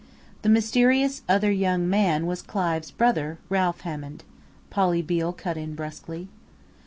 "The mysterious 'other young man' was Clive's brother, Ralph Hammond," Polly Beale cut in brusquely.